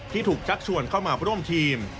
ถูกชักชวนเข้ามาร่วมทีม